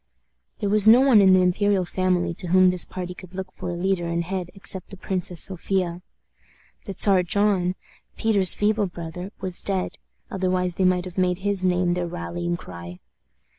There was no one in the imperial family to whom this party could look for a leader and head except the Princess Sophia. The Czar John, Peter's feeble brother, was dead, otherwise they might have made his name their rallying cry.